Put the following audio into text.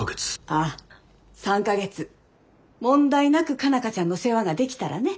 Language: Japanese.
ああ３か月問題なく佳奈花ちゃんの世話ができたらね。